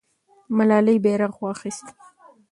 ملالۍ بیرغ واخیست.